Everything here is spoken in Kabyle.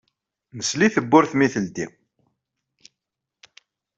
Nesla i tewwurt mi teldi.